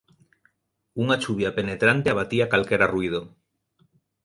Unha chuvia penetrante abatía calquera ruído.